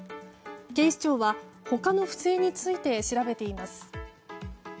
警視庁は他の不正について調べています。